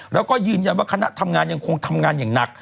แล้วก็ยืนยันว่าคณะทำงานยังคงทำงานอย่างหนัก